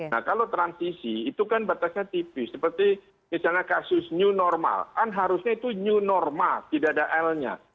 nah kalau transisi itu kan batasnya tipis seperti misalnya kasus new normal kan harusnya itu new normal tidak ada l nya